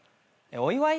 お祝い？